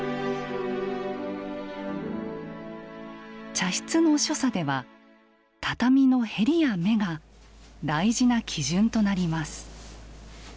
茶室の所作では畳の縁や目が大事な基準となります。